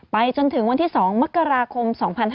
จนถึงวันที่๒มกราคม๒๕๕๙